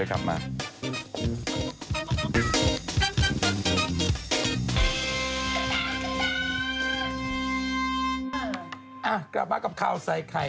กลับมากับข่าวใส่ไข่